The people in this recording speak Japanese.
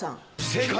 正解！